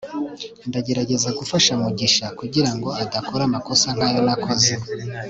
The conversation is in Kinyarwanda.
ndagerageza gufasha mugisha kugirango adakora amakosa nkayo nakoze